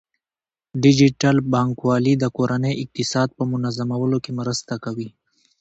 ډیجیټل بانکوالي د کورنۍ اقتصاد په منظمولو کې مرسته کوي.